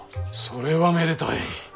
それはめでたい。